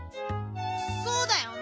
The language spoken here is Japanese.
そうだよな。